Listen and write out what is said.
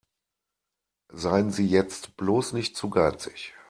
Seien Sie jetzt bloß nicht zu geizig.